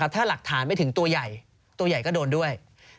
ถ้าหลักฐานไม่ถึงตัวใหญ่ตัวใหญ่ก็โดนด้วย